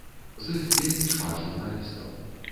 З іх вельмі шмат журналістаў.